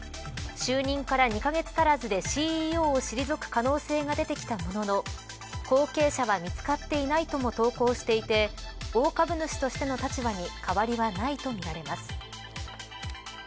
就任から２カ月足らずでＣＥＯを退く可能性が出てきたものの後継者は見つかっていないとも投稿していて大株主としての立場に変わりはないとみられます。